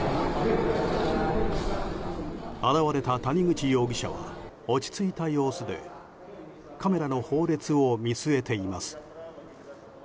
現れた谷口容疑者は落ち着いた様子でカメラの放列を見据えています。